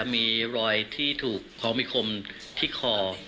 มีรอยถูกคลอมมิคลมที่คอ